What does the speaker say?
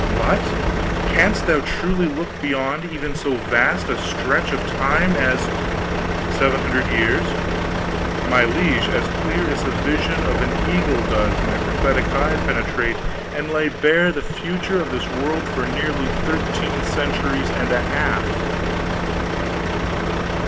"What? Canst thou truly look beyond even so vast a stretch of time as " "Seven hundred years? My liege, as clear as the vision of an eagle does my prophetic eye penetrate and lay bare the future of this world for nearly thirteen centuries and a half!"